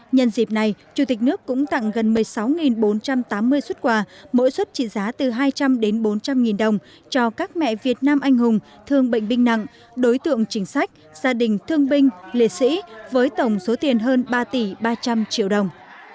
nhân dịp này chủ tịch nước cũng tặng gần một mươi sáu bốn trăm tám mươi xuất quà mỗi xuất trị giá từ hai trăm linh đến bốn trăm linh nghìn đồng cho các mẹ việt nam anh hùng thương bệnh binh nặng đối tượng chính sách gia đình thương binh liệt sĩ với tổng số tiền hơn ba tỷ ba trăm linh triệu đồng